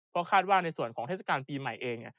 ก็คาดว่าในส่วนของเทศกาลปีใหม่เอง